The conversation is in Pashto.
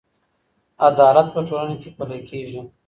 عدالت په ټولنه کې پلې کیږي.